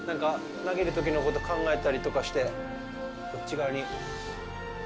投げるときのことを考えたりとかしてこっち側に。